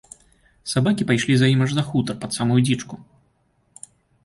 Сабакі пайшлі з ім аж за хутар, пад самую дзічку.